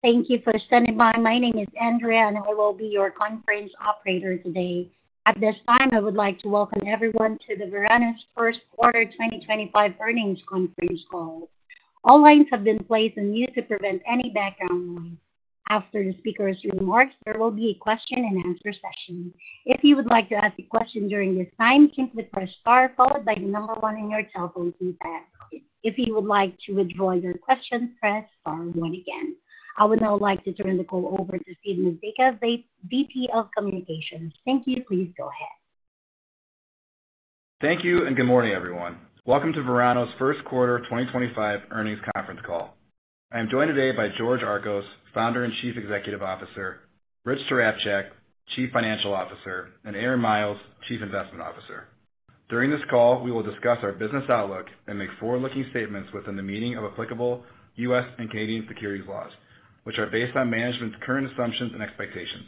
Thank you for standing by. My name is Andrea, and I will be your conference operator today. At this time, I would like to welcome everyone to Verano's First Quarter 2025 Earnings Conference Call. All lines have been placed on mute to prevent any background noise. After the speaker's remarks, there will be a question-and-answer session. If you would like to ask a question during this time, simply press star, followed by the number one on your telephone keypad. If you would like to withdraw your question, press star one again. I would now like to turn the call over to Steve Mazeika, Vice President of Communications. Thank you. Please go ahead. Thank you, and good morning, everyone. Welcome to Verano's First Quarter 2025 Earnings Conference Call. I am joined today by George Archos, Founder and Chief Executive Officer; Rich Tarapchak, Chief Financial Officer; and Aaron Miles, Chief Investment Officer. During this call, we will discuss our business outlook and make forward-looking statements within the meaning of applicable U.S. and Canadian securities laws, which are based on management's current assumptions and expectations.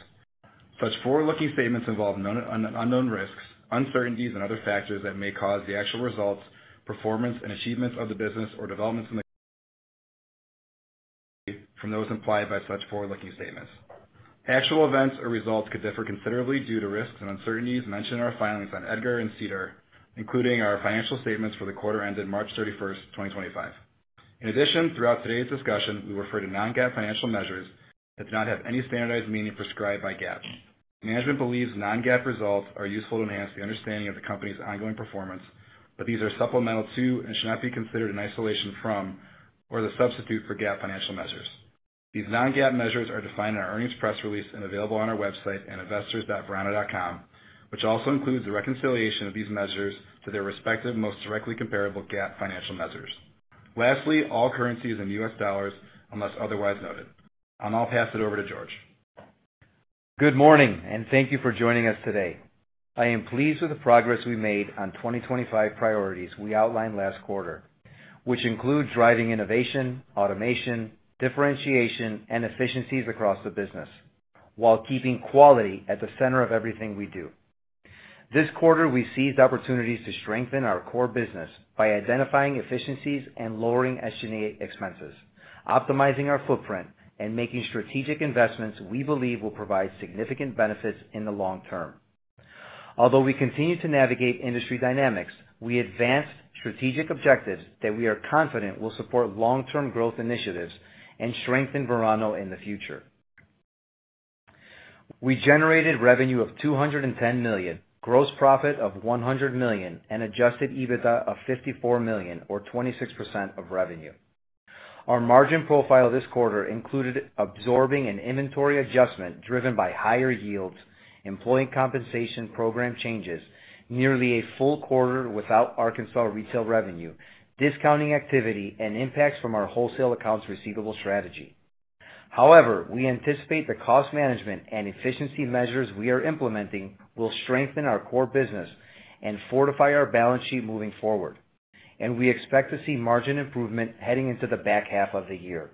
Such forward-looking statements involve unknown risks, uncertainties, and other factors that may cause the actual results, performance, and achievements of the business, or developments in the company from those implied by such forward-looking statements. Actual events or results could differ considerably due to risks and uncertainties mentioned in our filings on EDGAR and SEDAR, including our financial statements for the quarter ended March 31, 2025. In addition, throughout today's discussion, we will refer to non-GAAP financial measures that do not have any standardized meaning prescribed by GAAP. Management believes non-GAAP results are useful to enhance the understanding of the company's ongoing performance, but these are supplemental to and should not be considered in isolation from or the substitute for GAAP financial measures. These non-GAAP measures are defined in our earnings press release and available on our website and investors.verano.com, which also includes the reconciliation of these measures to their respective most directly comparable GAAP financial measures. Lastly, all currencies in U.S. dollars unless otherwise noted. I'll now pass it over to George. Good morning, and thank you for joining us today. I am pleased with the progress we made on 2025 priorities we outlined last quarter, which include driving innovation, automation, differentiation, and efficiencies across the business while keeping quality at the center of everything we do. This quarter, we seized opportunities to strengthen our core business by identifying efficiencies and lowering SG&A expenses, optimizing our footprint, and making strategic investments we believe will provide significant benefits in the long term. Although we continue to navigate industry dynamics, we advanced strategic objectives that we are confident will support long-term growth initiatives and strengthen Verano in the future. We generated revenue of $210 million, gross profit of $100 million, and Adjusted EBITDA of $54 million, or 26% of revenue. Our margin profile this quarter included absorbing an inventory adjustment driven by higher yields, employee compensation program changes, nearly a full quarter without Arkansas retail revenue, discounting activity, and impacts from our wholesale accounts receivable strategy. However, we anticipate the cost management and efficiency measures we are implementing will strengthen our core business and fortify our balance sheet moving forward, and we expect to see margin improvement heading into the back half of the year.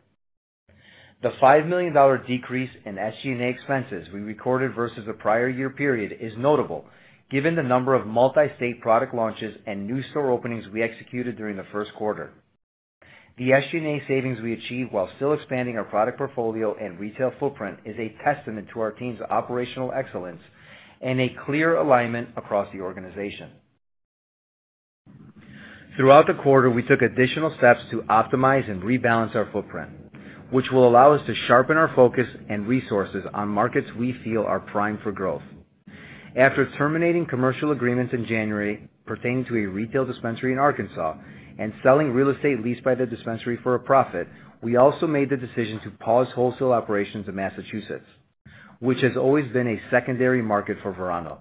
The $5 million decrease in SG&A expenses we recorded versus the prior year period is notable, given the number of multi-state product launches and new store openings we executed during the first quarter. The SG&A savings we achieved while still expanding our product portfolio and retail footprint is a testament to our team's operational excellence and a clear alignment across the organization. Throughout the quarter, we took additional steps to optimize and rebalance our footprint, which will allow us to sharpen our focus and resources on markets we feel are primed for growth. After terminating commercial agreements in January pertaining to a retail dispensary in Arkansas and selling real estate leased by the dispensary for a profit, we also made the decision to pause wholesale operations in Massachusetts, which has always been a secondary market for Verano.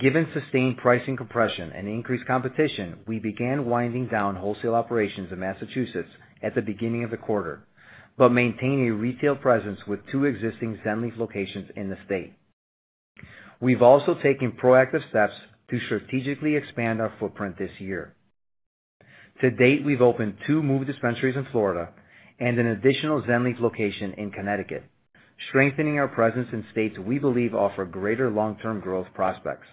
Given sustained pricing compression and increased competition, we began winding down wholesale operations in Massachusetts at the beginning of the quarter but maintain a retail presence with two existing Zenleaf locations in the state. We've also taken proactive steps to strategically expand our footprint this year. To date, we've opened two Move dispensaries in Florida and an additional Zenleaf location in Connecticut, strengthening our presence in states we believe offer greater long-term growth prospects.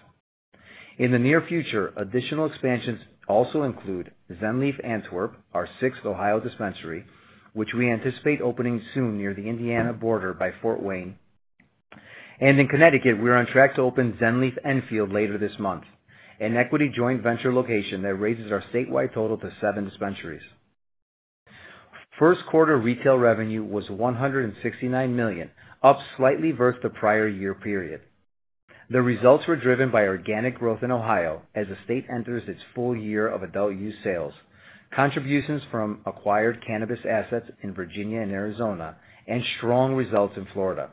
In the near future, additional expansions also include Zenleaf Antwerp, our sixth Ohio dispensary, which we anticipate opening soon near the Indiana border by Fort Wayne, and in Connecticut, we're on track to open Zenleaf Enfield later this month, an equity joint venture location that raises our statewide total to seven dispensaries. First quarter retail revenue was $169 million, up slightly versus the prior year period. The results were driven by organic growth in Ohio as the state enters its full year of Adult-Use sales, contributions from acquired cannabis assets in Virginia and Arizona, and strong results in Florida.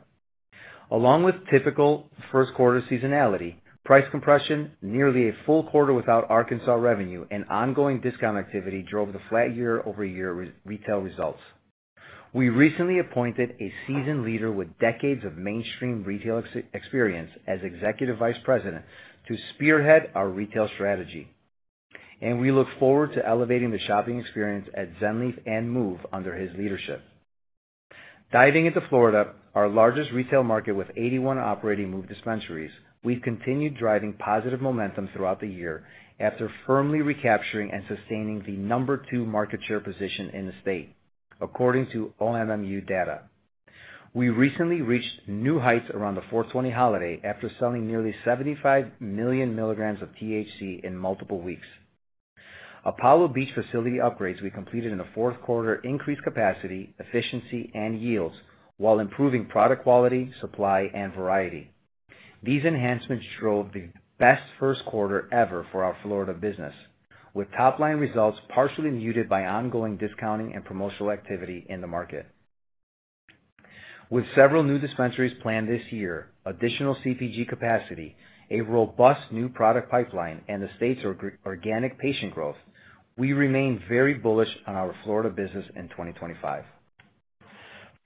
Along with typical first quarter seasonality, price compression, nearly a full quarter without Arkansas revenue, and ongoing discount activity drove the flat year-over-year retail results. We recently appointed a seasoned leader with decades of mainstream retail experience as Executive Vice President to spearhead our retail strategy, and we look forward to elevating the shopping experience at Zenleaf and Move under his leadership. Diving into Florida, our largest retail market with 81 operating Move dispensaries, we've continued driving positive momentum throughout the year after firmly recapturing and sustaining the number two market share position in the state, according to OMMU data. We recently reached new heights around the 420 holiday after selling nearly 75 million milligrams of THC in multiple weeks. Apollo Beach facility upgrades we completed in the fourth quarter increased capacity, efficiency, and yields while improving product quality, supply, and variety. These enhancements drove the best first quarter ever for our Florida business, with top-line results partially muted by ongoing discounting and promotional activity in the market. With several new dispensaries planned this year, additional CPG capacity, a robust new product pipeline, and the state's organic patient growth, we remain very bullish on our Florida business in 2025.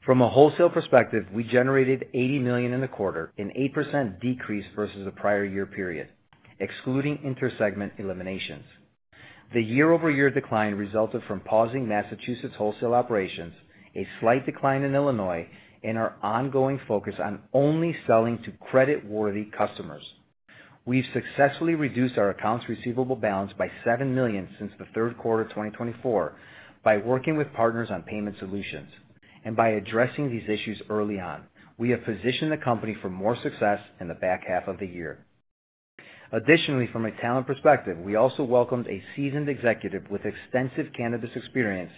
From a wholesale perspective, we generated $80 million in the quarter, an 8% decrease versus the prior year period, excluding intersegment eliminations. The year-over-year decline resulted from pausing Massachusetts wholesale operations, a slight decline in Illinois, and our ongoing focus on only selling to credit-worthy customers. We've successfully reduced our accounts receivable balance by $7 million since the third quarter of 2024 by working with partners on payment solutions, and by addressing these issues early on, we have positioned the company for more success in the back half of the year. Additionally, from a talent perspective, we also welcomed a seasoned executive with extensive cannabis experience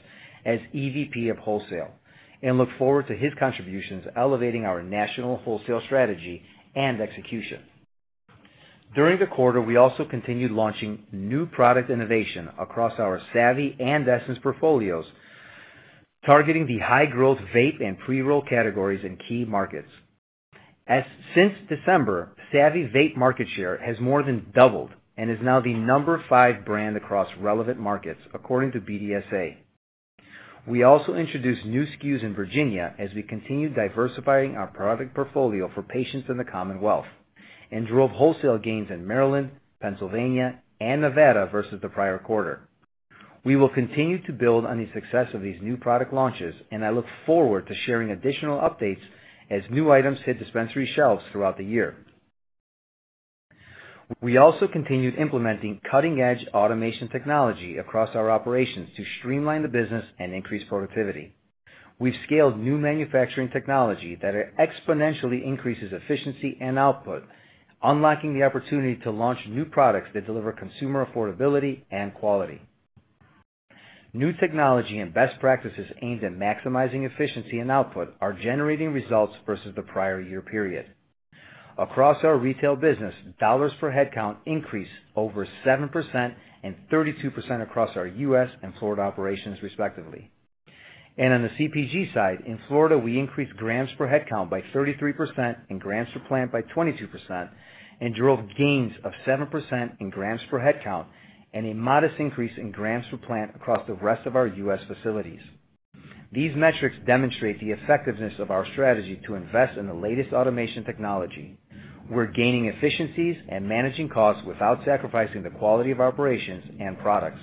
as EVP of Wholesale and look forward to his contributions elevating our national wholesale strategy and execution. During the quarter, we also continued launching new product innovation across our Savvy and Essence portfolios, targeting the high-growth vape and pre-roll categories in key markets. Since December, Savvy vape market share has more than doubled and is now the number five brand across relevant markets, according to BDSA. We also introduced new SKUs in Virginia as we continue diversifying our product portfolio for patients in the Commonwealth and drove wholesale gains in Maryland, Pennsylvania, and Nevada versus the prior quarter. We will continue to build on the success of these new product launches, and I look forward to sharing additional updates as new items hit dispensary shelves throughout the year. We also continued implementing cutting-edge automation technology across our operations to streamline the business and increase productivity. We've scaled new manufacturing technology that exponentially increases efficiency and output, unlocking the opportunity to launch new products that deliver consumer affordability and quality. New technology and best practices aimed at maximizing efficiency and output are generating results versus the prior year period. Across our retail business, dollars per head count increased over 7% and 32% across our U.S. and Florida operations, respectively. On the CPG side, in Florida, we increased grams per head count by 33% and grams per plant by 22%, and drove gains of 7% in grams per head count and a modest increase in grams per plant across the rest of our U.S. facilities. These metrics demonstrate the effectiveness of our strategy to invest in the latest automation technology. We're gaining efficiencies and managing costs without sacrificing the quality of operations and products.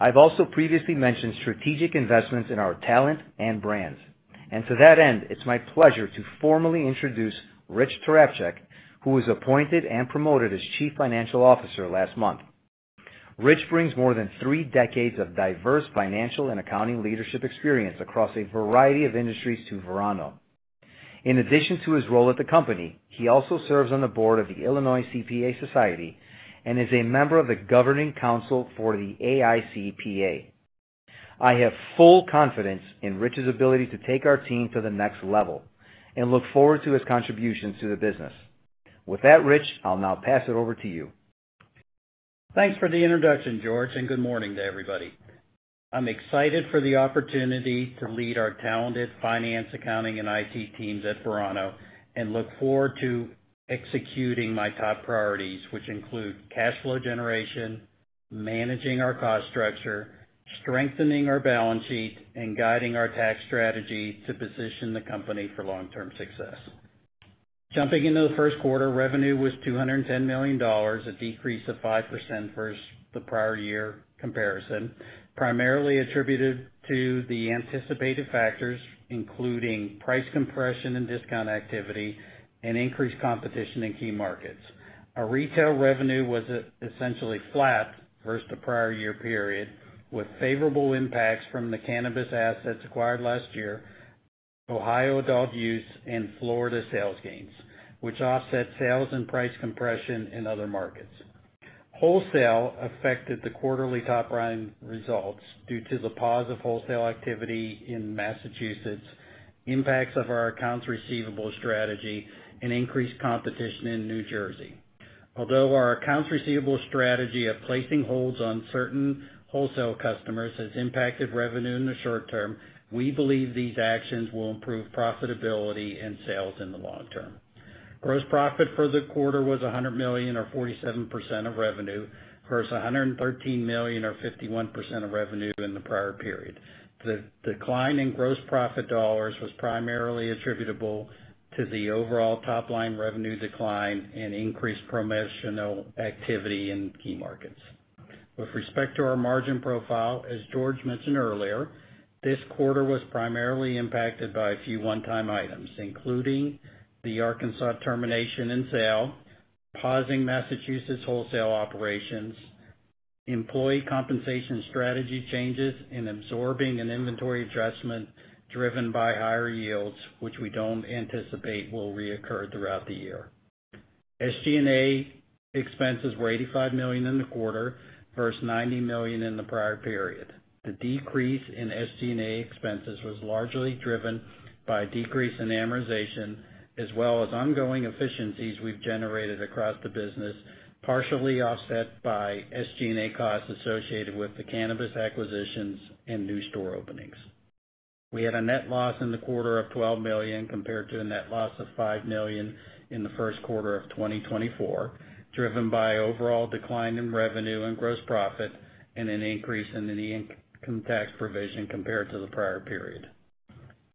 I've also previously mentioned strategic investments in our talent and brands, and to that end, it's my pleasure to formally introduce Rich Tarapchak, who was appointed and promoted as Chief Financial Officer last month. Rich brings more than three decades of diverse financial and accounting leadership experience across a variety of industries to Verano. In addition to his role at the company, he also serves on the board of the Illinois CPA Society and is a member of the Governing Council for the AICPA. I have full confidence in Rich's ability to take our team to the next level and look forward to his contributions to the business. With that, Rich, I'll now pass it over to you. Thanks for the introduction, George, and good morning to everybody. I'm excited for the opportunity to lead our talented finance, accounting, and IT teams at Verano and look forward to executing my top priorities, which include Cash flow generation, managing our cost structure, strengthening our balance sheet, and guiding our tax strategy to position the company for long-term success. Jumping into the first quarter, revenue was $210 million, a decrease of 5% versus the prior year comparison, primarily attributed to the anticipated factors, including price compression and discount activity and increased competition in key markets. Our retail revenue was essentially flat versus the prior year period, with favorable impacts from the cannabis assets acquired last year, Ohio Adult-Use, and Florida sales gains, which offset sales and price compression in other markets. Wholesale affected the quarterly top-line results due to the pause of wholesale activity in Massachusetts, impacts of our accounts receivable strategy, and increased competition in New Jersey. Although our accounts receivable strategy of placing holds on certain wholesale customers has impacted revenue in the short term, we believe these actions will improve profitability and sales in the long term. Gross profit for the quarter was $100 million, or 47% of revenue, versus $113 million, or 51% of revenue in the prior period. The decline in gross profit dollars was primarily attributable to the overall top-line revenue decline and increased promotional activity in key markets. With respect to our margin profile, as George mentioned earlier, this quarter was primarily impacted by a few one-time items, including the Arkansas termination in sale, pausing Massachusetts wholesale operations, employee compensation strategy changes, and absorbing an inventory adjustment driven by higher yields, which we do not anticipate will reoccur throughout the year. SG&A expenses were $85 million in the quarter versus $90 million in the prior period. The decrease in SG&A expenses was largely driven by a decrease in amortization, as well as ongoing efficiencies we have generated across the business, partially offset by SG&A costs associated with the cannabis acquisitions and new store openings. We had a net loss in the quarter of $12 million compared to a net loss of $5 million in the first quarter of 2024, driven by overall decline in revenue and gross profit and an increase in the income tax provision compared to the prior period.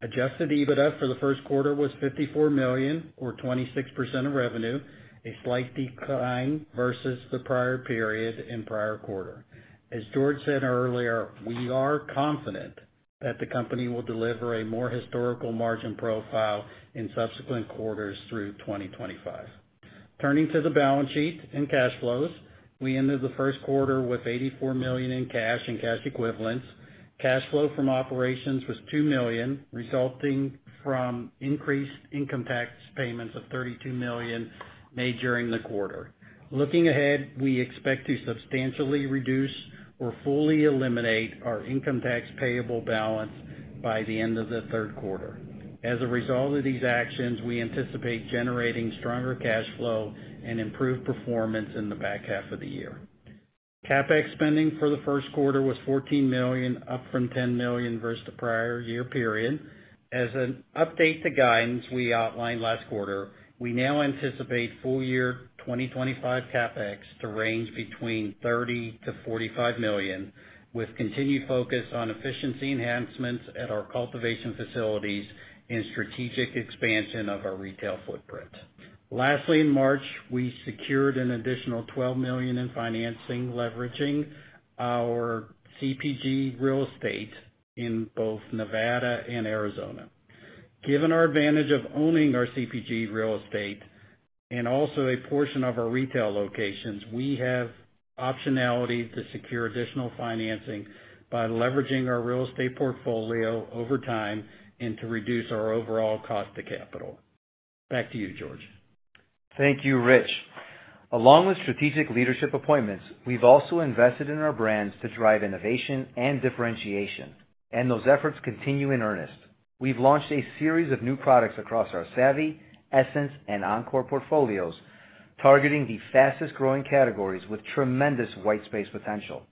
Adjusted EBITDA for the first quarter was $54 million, or 26% of revenue, a slight decline versus the prior period and prior quarter. As George said earlier, we are confident that the company will deliver a more historical margin profile in subsequent quarters through 2025. Turning to the balance sheet and Cash flows, we ended the first quarter with $84 million in cash and cash equivalents. Cash flow from operations was $2 million, resulting from increased income tax payments of $32 million made during the quarter. Looking ahead, we expect to substantially reduce or fully eliminate our income tax payable balance by the end of the third quarter. As a result of these actions, we anticipate generating stronger Cash flow and improved performance in the back half of the year. CapEx spending for the first quarter was $14 million, up from $10 million versus the prior year period. As an update to guidance we outlined last quarter, we now anticipate full-year 2025 CapEx to range between $30-$45 million, with continued focus on efficiency enhancements at our cultivation facilities and strategic expansion of our retail footprint. Lastly, in March, we secured an additional $12 million in financing, leveraging our CPG real estate in both Nevada and Arizona. Given our advantage of owning our CPG real estate and also a portion of our retail locations, we have optionality to secure additional financing by leveraging our real estate portfolio over time and to reduce our overall cost of capital. Back to you, George. Thank you, Rich. Along with strategic leadership appointments, we've also invested in our brands to drive innovation and differentiation, and those efforts continue in earnest. We've launched a series of new products across our Savvy, Essence, and Encore portfolios, targeting the fastest-growing categories with tremendous white space potential.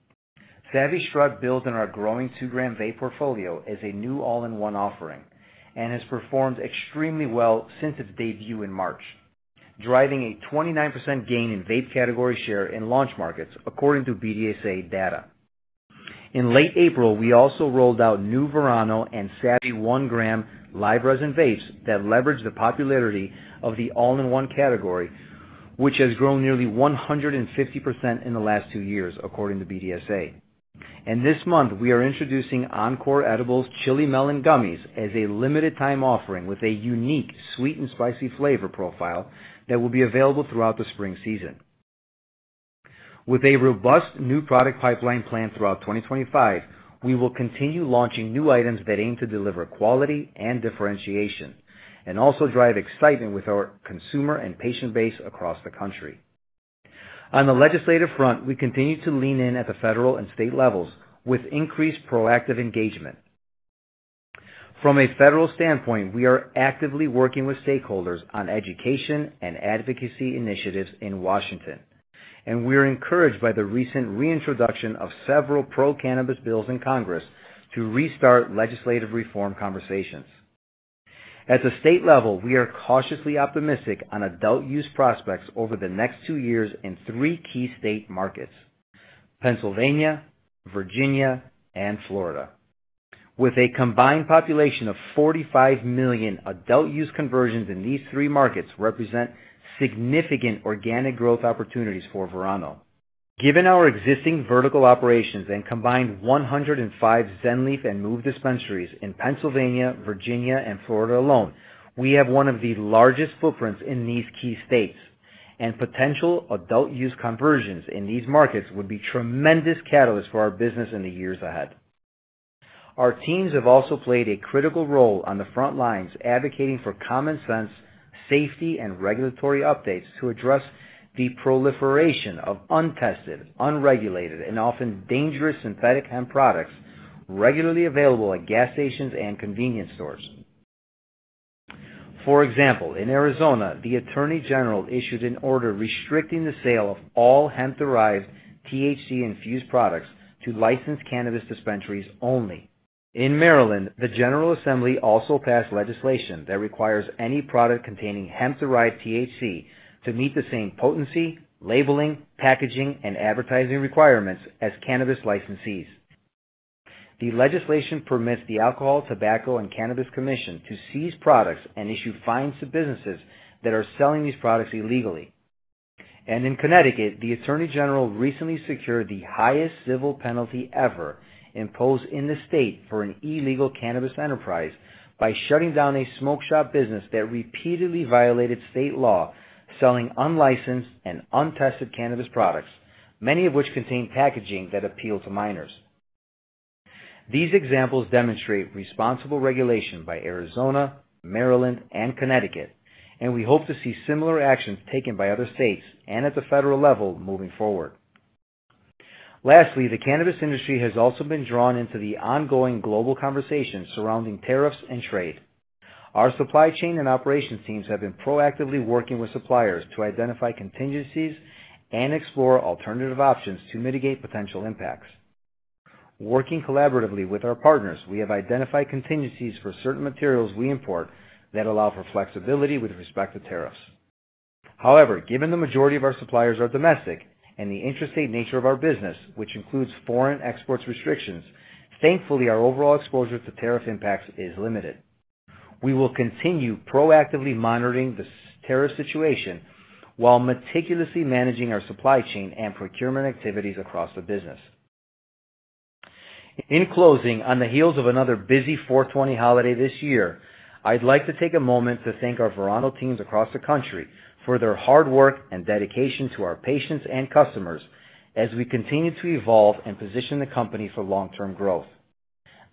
Savvy Shrub builds on our growing 2-gram vape portfolio as a new all-in-one offering and has performed extremely well since its debut in March, driving a 29% gain in vape category share in launch markets, according to BDSA data. In late April, we also rolled out new Verano and Savvy 1-gram live resin vapes that leverage the popularity of the all-in-one category, which has grown nearly 150% in the last two years, according to BDSA. This month, we are introducing Encore Edibles Chili Melon Gummies as a limited-time offering with a unique sweet and spicy flavor profile that will be available throughout the spring season. With a robust new product pipeline planned throughout 2025, we will continue launching new items that aim to deliver quality and differentiation and also drive excitement with our consumer and patient base across the country. On the legislative front, we continue to lean in at the federal and state levels with increased proactive engagement. From a federal standpoint, we are actively working with stakeholders on education and advocacy initiatives in Washington, and we are encouraged by the recent reintroduction of several pro-cannabis bills in Congress to restart legislative reform conversations. At the state level, we are cautiously optimistic on Adult-Use prospects over the next two years in three key state markets: Pennsylvania, Virginia, and Florida. With a combined population of 45 million, Adult-Use conversions in these three markets represent significant organic growth opportunities for Verano. Given our existing vertical operations and combined 105 Zenleaf and Move dispensaries in Pennsylvania, Virginia, and Florida alone, we have one of the largest footprints in these key states, and potential Adult-Use conversions in these markets would be tremendous catalysts for our business in the years ahead. Our teams have also played a critical role on the front lines advocating for common sense, safety, and regulatory updates to address the proliferation of untested, unregulated, and often dangerous synthetic hemp products regularly available at gas stations and convenience stores. For example, in Arizona, the Attorney General issued an order restricting the sale of all hemp-derived THC-infused products to licensed cannabis dispensaries only. In Maryland, the General Assembly also passed legislation that requires any product containing hemp-derived THC to meet the same potency, labeling, packaging, and advertising requirements as cannabis licensees. The legislation permits the Alcohol, Tobacco, and Cannabis Commission to seize products and issue fines to businesses that are selling these products illegally. In Connecticut, the Attorney General recently secured the highest civil penalty ever imposed in the state for an illegal cannabis enterprise by shutting down a smoke shop business that repeatedly violated state law selling unlicensed and untested cannabis products, many of which contain packaging that appeal to minors. These examples demonstrate responsible regulation by Arizona, Maryland, and Connecticut, and we hope to see similar actions taken by other states and at the federal level moving forward. Lastly, the cannabis industry has also been drawn into the ongoing global conversation surrounding tariffs and trade. Our supply chain and operations teams have been proactively working with suppliers to identify contingencies and explore alternative options to mitigate potential impacts. Working collaboratively with our partners, we have identified contingencies for certain materials we import that allow for flexibility with respect to tariffs. However, given the majority of our suppliers are domestic and the interstate nature of our business, which includes foreign exports restrictions, thankfully our overall exposure to tariff impacts is limited. We will continue proactively monitoring the tariff situation while meticulously managing our supply chain and procurement activities across the business. In closing, on the heels of another busy 420 holiday this year, I'd like to take a moment to thank our Verano teams across the country for their hard work and dedication to our patients and customers as we continue to evolve and position the company for long-term growth.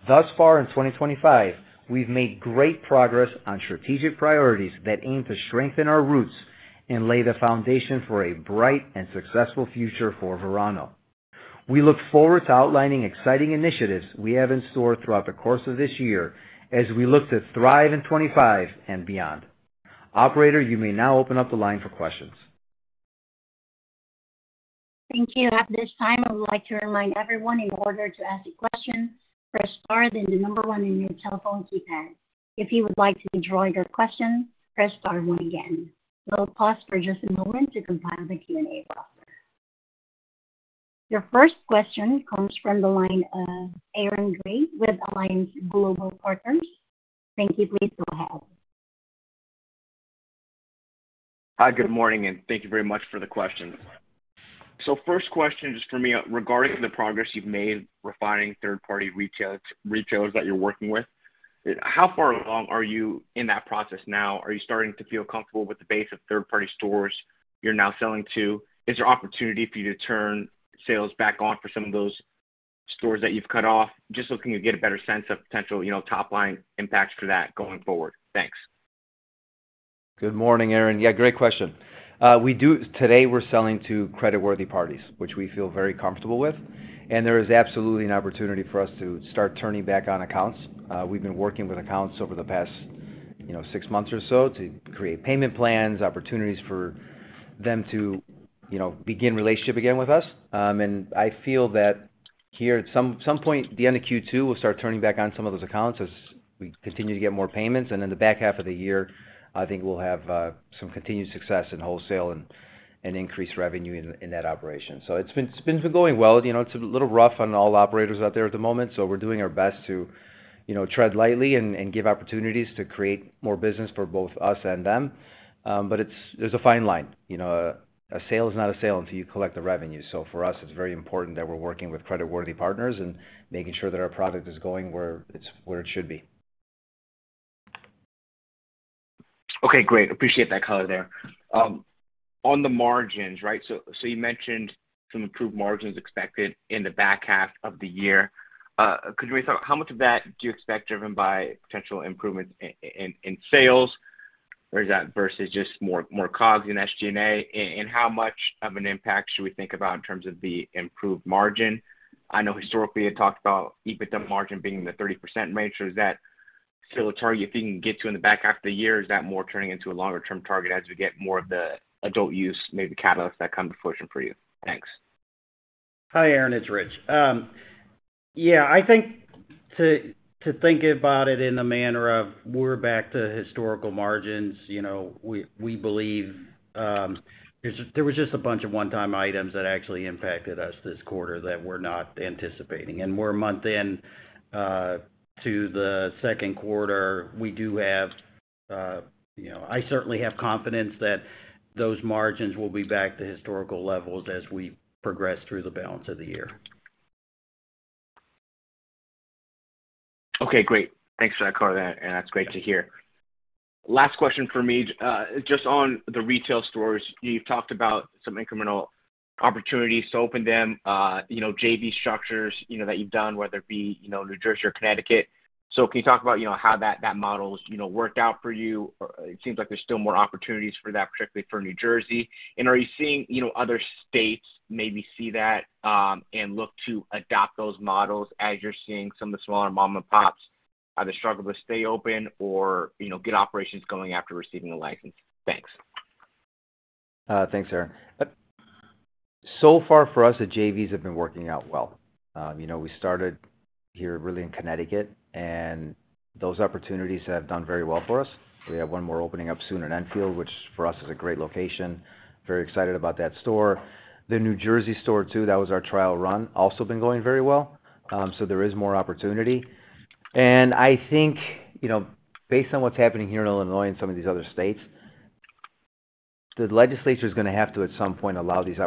Thus far in 2025, we've made great progress on strategic priorities that aim to strengthen our roots and lay the foundation for a bright and successful future for Verano. We look forward to outlining exciting initiatives we have in store throughout the course of this year as we look to thrive in 2025 and beyond. Operator, you may now open up the line for questions. Thank you. At this time, I would like to remind everyone in order to ask a question, press star then the number one on your telephone keypad. If you would like to withdraw your question, press star one again. We'll pause for just a moment to compile the Q&A roster. Your first question comes from the line of Aaron Grey with Alliance Global Partners. Thank you. Please go ahead. Hi, good morning, and thank you very much for the question. First question just for me regarding the progress you've made refining third-party retailers that you're working with. How far along are you in that process now? Are you starting to feel comfortable with the base of third-party stores you're now selling to? Is there opportunity for you to turn sales back on for some of those stores that you've cut off? Just so we can get a better sense of potential top-line impacts for that going forward. Thanks. Good morning, Aaron. Yeah, great question. Today we're selling to creditworthy parties, which we feel very comfortable with. There is absolutely an opportunity for us to start turning back on accounts. We've been working with accounts over the past six months or so to create payment plans, opportunities for them to begin relationship again with us. I feel that here, at some point, the end of Q2, we'll start turning back on some of those accounts as we continue to get more payments. In the back half of the year, I think we'll have some continued success in wholesale and increased revenue in that operation. It's been going well. It's a little rough on all operators out there at the moment. We're doing our best to tread lightly and give opportunities to create more business for both us and them. There's a fine line. A sale is not a sale until you collect the revenue. For us, it's very important that we're working with creditworthy partners and making sure that our product is going where it should be. Okay, great. Appreciate that color there. On the margins, right? You mentioned some improved margins expected in the back half of the year. Could you tell me how much of that do you expect driven by potential improvements in sales versus just more COGS and SG&A? How much of an impact should we think about in terms of the improved margin? I know historically you talked about EBITDA margin being in the 30% range. Is that still a target you think you can get to in the back half of the year? Is that more turning into a longer-term target as we get more of the Adult-Use, maybe catalysts that come to fruition for you? Thanks. Hi, Aaron. It's Rich. Yeah, I think to think about it in the manner of we're back to historical margins. We believe there was just a bunch of one-time items that actually impacted us this quarter that we're not anticipating. We're a month in to the second quarter. I certainly have confidence that those margins will be back to historical levels as we progress through the balance of the year. Okay, great. Thanks for that, George. That's great to hear. Last question for me. Just on the retail stores, you've talked about some incremental opportunities to open them, JV structures that you've done, whether it be New Jersey or Connecticut. Can you talk about how that model worked out for you? It seems like there's still more opportunities for that, particularly for New Jersey. Are you seeing other states maybe see that and look to adopt those models as you're seeing some of the smaller mom-and-pops either struggle to stay open or get operations going after receiving a license? Thanks. Thanks, Aaron. So far for us, the JVs have been working out well. We started here really in Connecticut, and those opportunities have done very well for us. We have one more opening up soon in Enfield, which for us is a great location. Very excited about that store. The New Jersey store too, that was our trial run, also been going very well. There is more opportunity. I think based on what's happening here in Illinois and some of these other states, the legislature is going to have to, at some point, allow these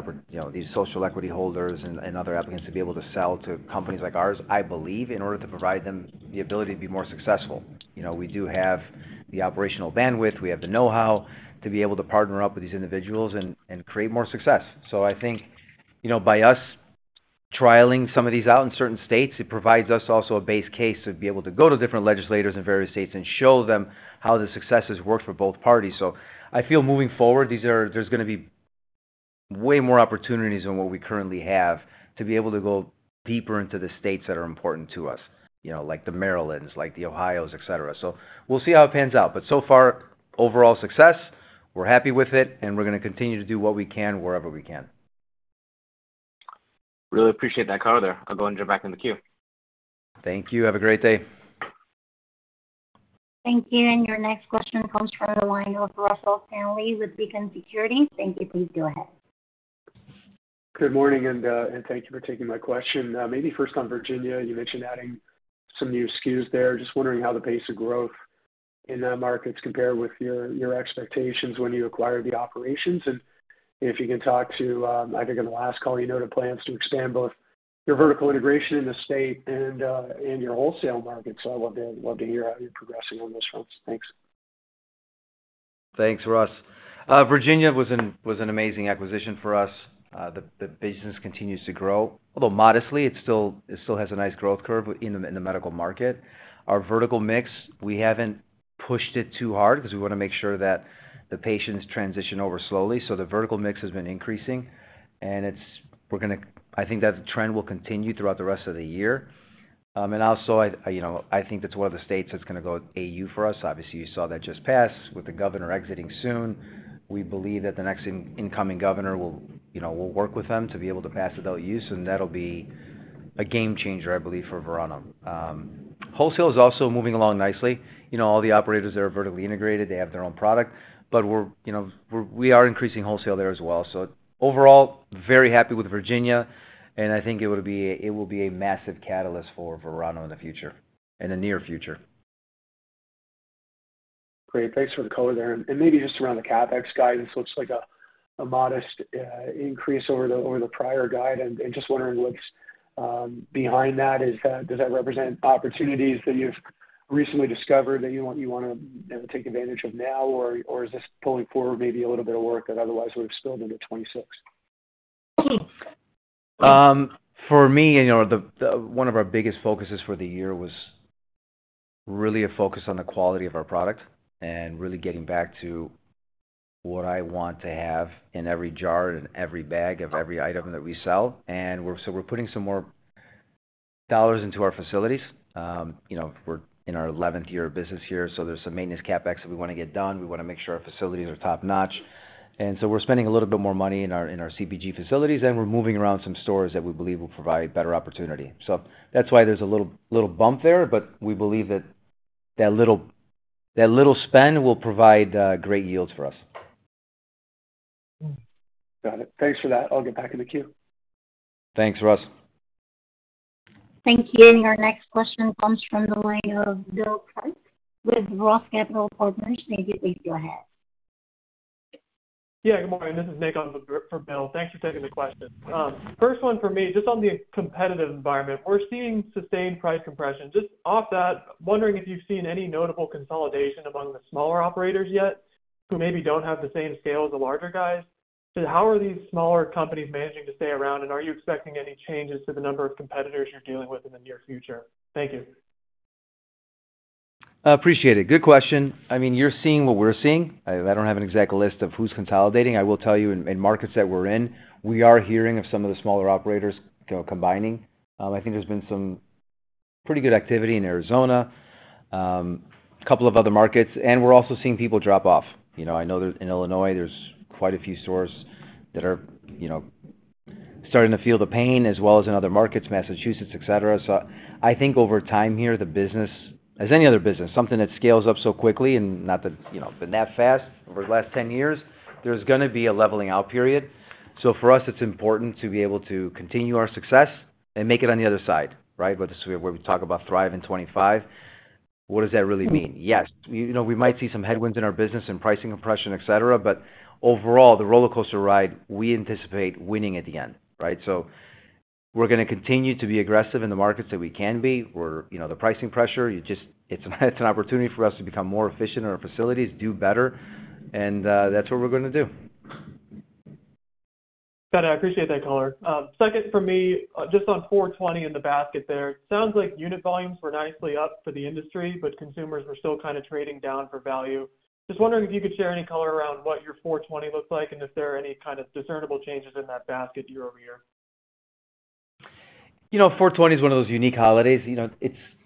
social equity holders and other applicants to be able to sell to companies like ours, I believe, in order to provide them the ability to be more successful. We do have the operational bandwidth. We have the know-how to be able to partner up with these individuals and create more success. I think by us trialing some of these out in certain states, it provides us also a base case to be able to go to different legislators in various states and show them how the success has worked for both parties. I feel moving forward, there's going to be way more opportunities than what we currently have to be able to go deeper into the states that are important to us, like the Marylands, like the Ohios, etc. We'll see how it pans out. So far, overall success, we're happy with it, and we're going to continue to do what we can wherever we can. Really appreciate that, George. I'll go and jump back in the queue. Thank you. Have a great day. Thank you. Your next question comes from the line of Russell Stanley with Beacon Securities. Thank you. Please go ahead. Good morning, and thank you for taking my question. Maybe first on Virginia, you mentioned adding some new SKUs there. Just wondering how the pace of growth in the markets compared with your expectations when you acquired the operations. If you can talk to, I think on the last call, you noted plans to expand both your vertical integration in the state and your wholesale market. I'd love to hear how you're progressing on those fronts. Thanks. Thanks, Russell. Virginia was an amazing acquisition for us. The business continues to grow, although modestly. It still has a nice growth curve in the medical market. Our vertical mix, we haven't pushed it too hard because we want to make sure that the patients transition over slowly. The vertical mix has been increasing. We're going to—I think that trend will continue throughout the rest of the year. I think that's one of the states that's going to go AU for us. Obviously, you saw that just passed with the governor exiting soon. We believe that the next incoming governor will work with them to be able to pass Adult-Use. That'll be a game changer, I believe, for Verano. Wholesale is also moving along nicely. All the operators that are vertically integrated, they have their own product. We are increasing wholesale there as well. Overall, very happy with Virginia. I think it will be a massive catalyst for Verano in the future, in the near future. Great. Thanks for the color there. Maybe just around the CapEx guidance, looks like a modest increase over the prior guide. Just wondering what's behind that. Does that represent opportunities that you've recently discovered that you want to take advantage of now? Is this pulling forward maybe a little bit of work that otherwise would have spilled into 2026? For me, one of our biggest focuses for the year was really a focus on the quality of our product and really getting back to what I want to have in every jar and every bag of every item that we sell. We are putting some more dollars into our facilities. We are in our 11th year of business here. There is some maintenance CapEx that we want to get done. We want to make sure our facilities are top-notch. We are spending a little bit more money in our CPG facilities. We are moving around some stores that we believe will provide better opportunity. That is why there is a little bump there. We believe that that little spend will provide great yields for us. Got it. Thanks for that. I'll get back in the queue. Thanks, Russell. Thank you. Your next question comes from the line of Bill Pratt with Ross Capital Partners. Thank you. Please go ahead. Yeah, good morning. This is Nathan for Bill. Thanks for taking the question. First one for me, just on the competitive environment, we're seeing sustained price compression. Just off that, wondering if you've seen any notable consolidation among the smaller operators yet who maybe don't have the same scale as the larger guys. How are these smaller companies managing to stay around? Are you expecting any changes to the number of competitors you're dealing with in the near future? Thank you. Appreciate it. Good question. I mean, you're seeing what we're seeing. I don't have an exact list of who's consolidating. I will tell you in markets that we're in, we are hearing of some of the smaller operators combining. I think there's been some pretty good activity in Arizona, a couple of other markets. We're also seeing people drop off. I know in Illinois, there's quite a few stores that are starting to feel the pain, as well as in other markets, Massachusetts, etc. I think over time here, the business, as any other business, something that scales up so quickly and not been that fast over the last 10 years, there's going to be a leveling out period. For us, it's important to be able to continue our success and make it on the other side, right? Where we talk about thrive in 2025. What does that really mean? Yes. We might see some headwinds in our business and pricing compression, etc. Overall, the roller coaster ride, we anticipate winning at the end, right? We are going to continue to be aggressive in the markets that we can be. The pricing pressure, it's an opportunity for us to become more efficient in our facilities, do better. That is what we are going to do. Got it. I appreciate that, Color. Second for me, just on 420 in the basket there, it sounds like unit volumes were nicely up for the industry, but consumers were still kind of trading down for value. Just wondering if you could share any color around what your 420 looks like and if there are any kind of discernible changes in that basket year over year. 420 is one of those unique holidays.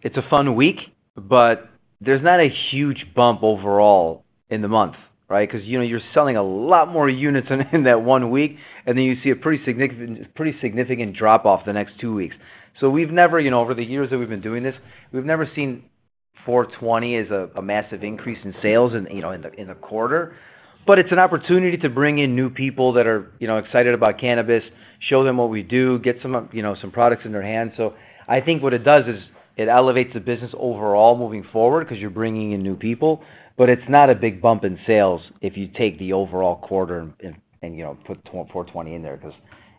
It's a fun week, but there's not a huge bump overall in the month, right? Because you're selling a lot more units in that one week, and then you see a pretty significant drop off the next two weeks. We've never, over the years that we've been doing this, we've never seen 420 as a massive increase in sales in a quarter. It's an opportunity to bring in new people that are excited about cannabis, show them what we do, get some products in their hands. I think what it does is it elevates the business overall moving forward because you're bringing in new people. It's not a big bump in sales if you take the overall quarter and put 420 in there. Because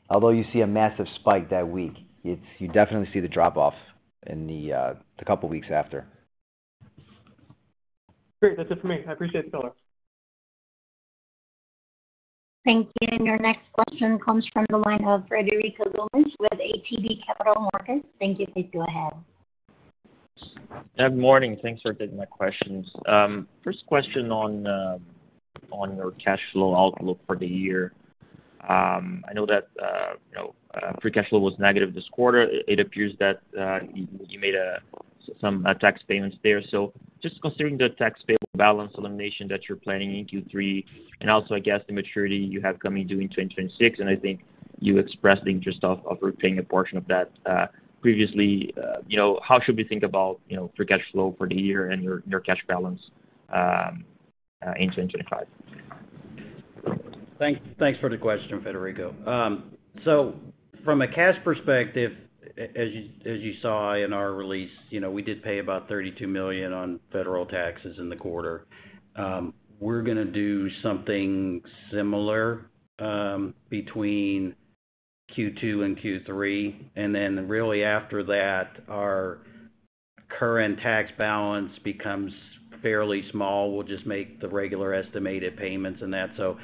although you see a massive spike that week, you definitely see the drop off in the couple of weeks after. Great. That's it for me. I appreciate the color. Thank you. Your next question comes from the line of Frederico Gomes with ATB Capital Markets. Thank you. Please go ahead. Good morning. Thanks for taking my questions. First question on your Cash flow outlook for the year. I know that free Cash flow was negative this quarter. It appears that you made some tax payments there. Just considering the tax-payable balance elimination that you're planning in Q3, and also, I guess, the maturity you have coming due in 2026, and I think you expressed the interest of repaying a portion of that previously, how should we think about free Cash flow for the year and your cash balance in 2025? Thanks for the question, Frederico. So from a cash perspective, as you saw in our release, we did pay about $32 million on federal taxes in the quarter. We are going to do something similar between Q2 and Q3. After that, our current tax balance becomes fairly small. We will just make the regular estimated payments and that. If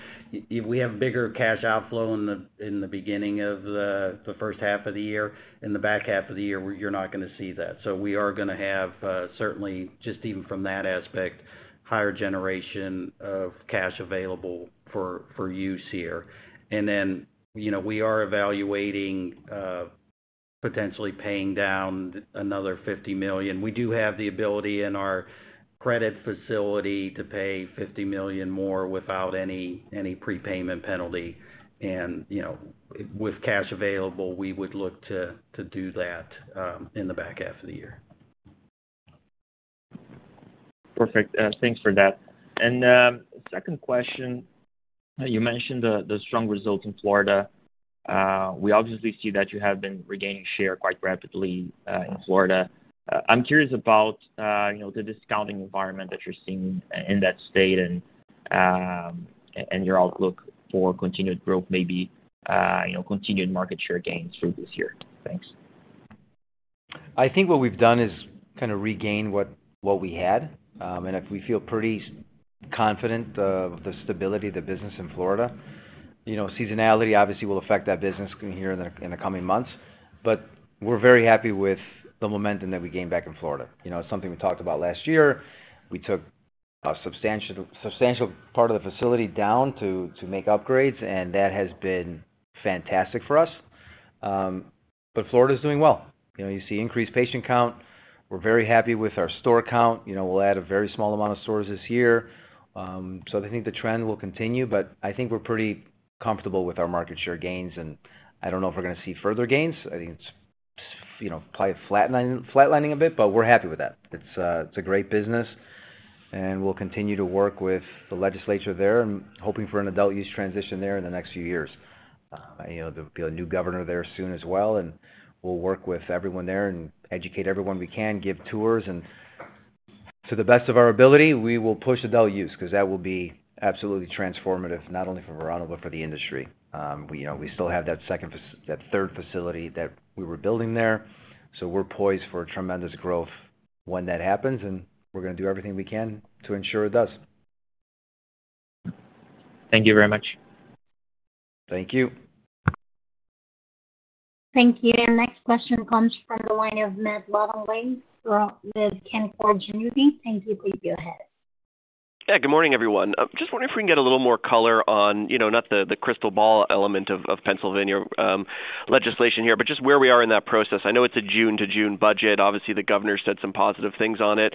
we have bigger cash outflow in the beginning of the first half of the year, in the back half of the year, you are not going to see that. We are going to have certainly, just even from that aspect, higher generation of cash available for use here. We are evaluating potentially paying down another $50 million. We do have the ability in our credit facility to pay $50 million more without any prepayment penalty. With cash available, we would look to do that in the back half of the year. Perfect. Thanks for that. Second question, you mentioned the strong results in Florida. We obviously see that you have been regaining share quite rapidly in Florida. I'm curious about the discounting environment that you're seeing in that state and your outlook for continued growth, maybe continued market share gains for this year. Thanks. I think what we've done is kind of regain what we had. We feel pretty confident of the stability of the business in Florida. Seasonality obviously will affect that business here in the coming months. We are very happy with the momentum that we gained back in Florida. It is something we talked about last year. We took a substantial part of the facility down to make upgrades, and that has been fantastic for us. Florida is doing well. You see increased patient count. We are very happy with our store count. We will add a very small amount of stores this year. I think the trend will continue. I think we are pretty comfortable with our market share gains. I do not know if we are going to see further gains. I think it is probably flatlining a bit, but we are happy with that. It is a great business. We will continue to work with the legislature there and hoping for an Adult-Use transition there in the next few years. There will be a new governor there soon as well. We will work with everyone there and educate everyone we can, give tours. To the best of our ability, we will push Adult-Use because that will be absolutely transformative, not only for Verano, but for the industry. We still have that second, that third facility that we were building there. We are poised for tremendous growth when that happens. We are going to do everything we can to ensure it does. Thank you very much. Thank you. Thank you. Next question comes from the line of Matt Lowney with Kentford Junior Bean. Thank you. Please go ahead. Yeah. Good morning, everyone. I'm just wondering if we can get a little more color on not the crystal ball element of Pennsylvania legislation here, but just where we are in that process. I know it's a June-to-June budget. Obviously, the governor said some positive things on it.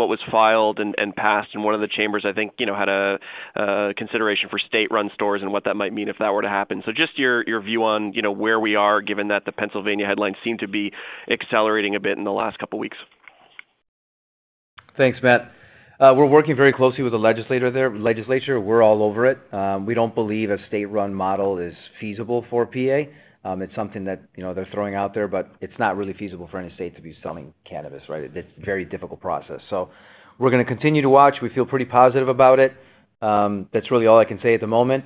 What was filed and passed in one of the chambers, I think, had a consideration for state-run stores and what that might mean if that were to happen. Just your view on where we are, given that the Pennsylvania headlines seem to be accelerating a bit in the last couple of weeks. Thanks, Matt. We're working very closely with the legislature there. We're all over it. We don't believe a state-run model is feasible for PA. It's something that they're throwing out there, but it's not really feasible for any state to be selling cannabis, right? It's a very difficult process. We are going to continue to watch. We feel pretty positive about it. That's really all I can say at the moment.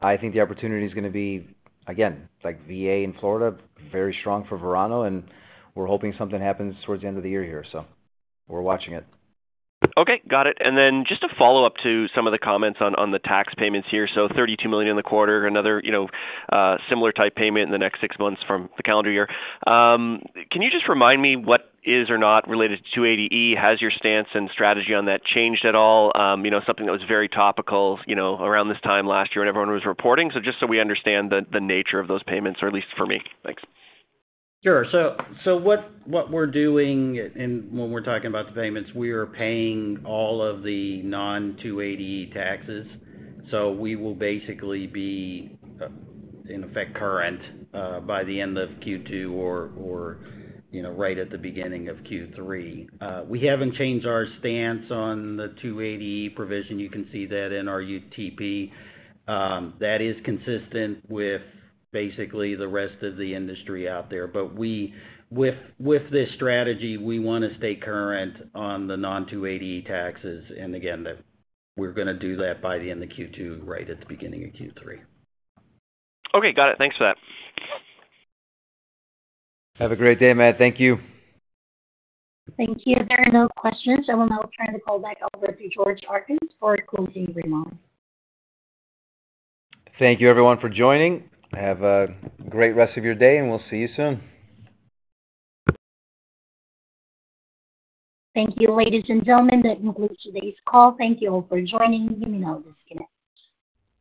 I think the opportunity is going to be, again, like VA in Florida, very strong for Verano. We are hoping something happens towards the end of the year here. We are watching it. Okay. Got it. Just to follow up to some of the comments on the tax payments here. $32 million in the quarter, another similar type payment in the next six months from the calendar year. Can you just remind me what is or is not related to 280E? Has your stance and strategy on that changed at all? Something that was very topical around this time last year when everyone was reporting. Just so we understand the nature of those payments, or at least for me. Thanks. Sure. What we are doing when we are talking about the payments, we are paying all of the non-280E taxes. We will basically be, in effect, current by the end of Q2 or right at the beginning of Q3. We have not changed our stance on the 280E provision. You can see that in our UTP. That is consistent with basically the rest of the industry out there. With this strategy, we want to stay current on the non-280E taxes. Again, we are going to do that by the end of Q2, right at the beginning of Q3. Okay. Got it. Thanks for that. Have a great day, Matt. Thank you. Thank you. There are no questions. We'll now turn the call back over to George Archos for closing remarks. Thank you, everyone, for joining. Have a great rest of your day, and we'll see you soon. Thank you, ladies and gentlemen. That concludes today's call. Thank you all for joining. You may now disconnect.